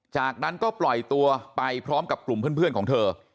จากนั้นก็ปล่อยตัวไปพร้อมกับกลุ่มเพื่อนของเธอ